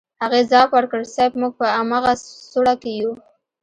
هغې ځواب ورکړ صيب موږ په امغه سوړه کې يو.